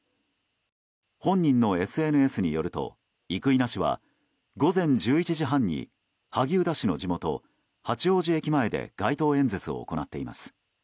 本人のＳＮＳによると、生稲氏は午前１１時半に萩生田氏の地元八王子駅前で街頭演説を行っています。